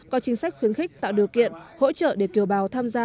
có chính sách khuyến khích tạo điều kiện hỗ trợ để kiều bào tham gia